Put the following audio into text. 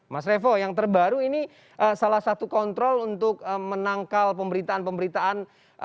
mas revo yang terbaru ini salah satu kontrol untuk menangkal pemberitaan pemberitaan